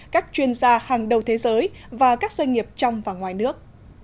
các chuyên gia hàng đầu thế giới và các doanh nghiệp trong và ngoài nước